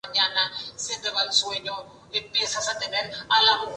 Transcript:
Era realmente demasiado pesada para usarla como una jabalina.